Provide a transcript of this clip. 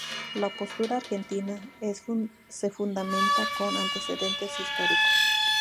La postura argentina se fundamenta con antecedentes históricos.